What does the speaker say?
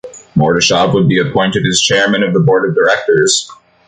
Mordashov would be appointed as Chairman of the Board of Directors.